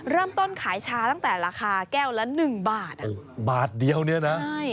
เริ่มต้นขายชาตั้งแต่ราคาแก้วละหนึ่งบาทอ่ะบาทเดียวเนี่ยนะใช่